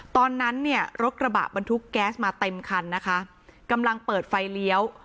ตอนนั้นเนี่ยรถกระบะบรรทุกแก๊สมาเต็มคันนะคะกำลังเปิดไฟเลี้ยว